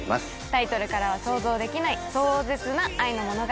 タイトルからは想像できない壮絶な愛の物語を。